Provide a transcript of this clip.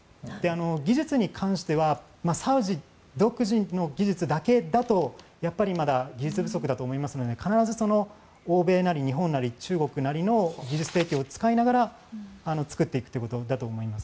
技術に関してはサウジ独自の技術だけだとやっぱり技術不足だと思いますので必ず欧米なり日本なり中国なりの技術提供を使いながら作っていくということだと思います。